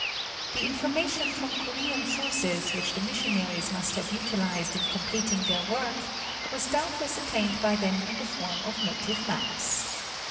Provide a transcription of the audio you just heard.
The information from Korean sources which the missionaries must have utilized in completing their work was doubtless attained by them in the form of native maps.